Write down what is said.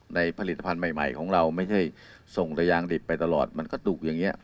ผลิตภัณฑ์ใหม่ของเราไม่ใช่ส่งระยางดิบไปตลอดมันก็ตุกอย่างนี้